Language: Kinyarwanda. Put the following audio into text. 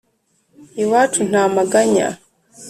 Iwacu nta maganya